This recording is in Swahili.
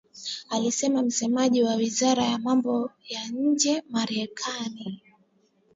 alisema msemaji wa wizara ya mambo ya nje Marekani